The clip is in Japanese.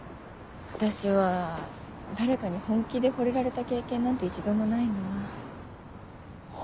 私は誰かに本気で惚れられた経験なんて一度もないなぁ。は？